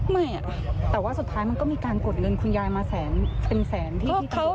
ไม่แต่ว่าสุดท้ายมันก็มีการกดเงินคุณยายมาแสนเป็นแสนที่ตำรวจ